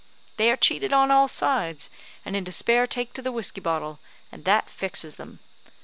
They are cheated on all sides, and in despair take to the whiskey bottle, and that fixes them.